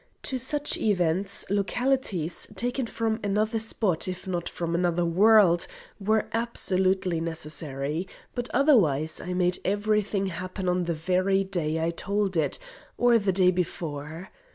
To such events, localities, taken from another spot, if not from another world, were absolutely necessary, but nevertheless I made every thing happen on the very day I told it, or the day before.